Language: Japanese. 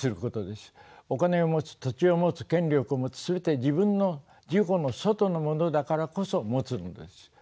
お金を持つ土地を持つ権力を持つ全て自分の自己の外のものだからこそ持つのです。